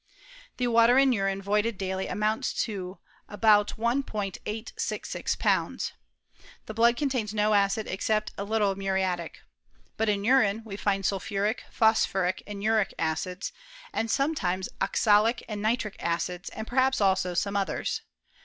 The water in urine voided daily amounts to about ] 86Glbs. The blood contains no acid except a little muriatic. But in urine we find sulphuric phosphoric, and uric acids, and sometimes oxali and nitric acids, and perhaps also some others.